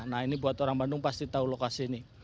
nah ini buat orang bandung pasti tahu lokasi ini